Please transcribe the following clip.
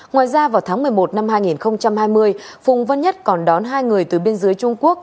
ngoài ra vào tháng một mươi một năm hai nghìn hai mươi phùng văn nhất còn đón hai người từ biên giới trung quốc